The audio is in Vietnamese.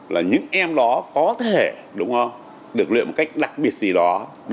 là những em đó có thể được luyện một cách đặc biệt gì đó